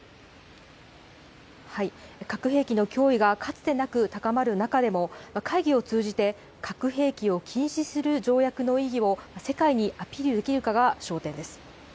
核兵器の脅威がかつてなく高まる中でも、会議を通じて核兵器を禁止する条約の意義を世界にアピールできるかが焦点です。